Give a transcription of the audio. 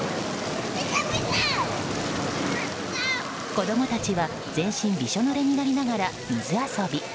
子供たちは全身びしょぬれになりながら水遊び。